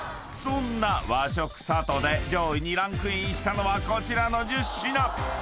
［そんな和食さとで上位にランクインしたのはこちらの１０品］